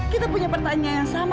kita punya pertanyaan yang sama